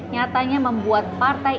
nyatanya membuat partai ini bertahan